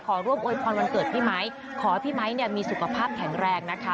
ขอร่วมโวยพรวันเกิดพี่ไมค์ขอพี่ไมค์เนี่ยมีสุขภาพแข็งแรงนะคะ